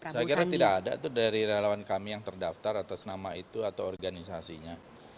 saya kira tidak ada tuh dari relawan kami yang terdaftar atas nama itu atau organisasinya